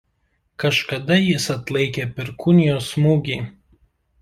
Kažkada jis atlaikė perkūnijos smūgį.